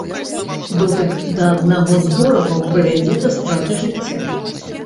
Дотык да аднаго з ворагаў прывядзе да страты жыцця.